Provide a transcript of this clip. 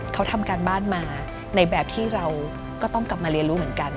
เขาทำการบ้านมาในแบบที่เราก็ต้องกลับมาเรียนรู้เหมือนกัน